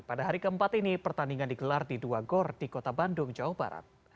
pada hari keempat ini pertandingan digelar di dua gor di kota bandung jawa barat